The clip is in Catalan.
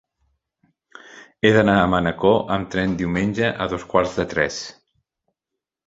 He d'anar a Manacor amb tren diumenge a dos quarts de tres.